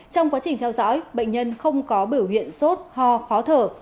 trong quá trình theo dõi bệnh nhân không có biểu hiện sốt ho khó thở